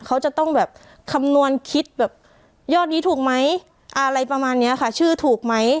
เขาจะต้องแบบคำนวณคิดแบบยอดนี้ถูกไหมอะไรประมาณเนี้ยค่ะชื่อถูกไหม